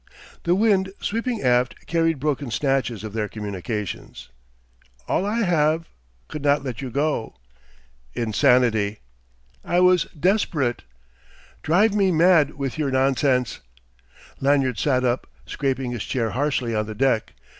The wind, sweeping aft, carried broken snatches of their communications: "... all I have ... could not let you go...." "Insanity!" "I was desperate...." "... drive me mad with your nonsense...." Lanyard sat up, scraping his chair harshly on the deck.